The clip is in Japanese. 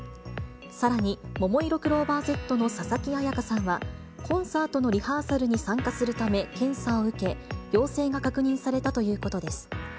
さらに、ももいろクローバーＺの佐々木彩夏さんは、コンサートのリハーサルに参加するため検査を受け、陽性が確認されたということです。